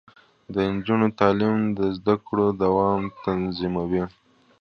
د نجونو تعلیم د زدکړو دوام تضمینوي.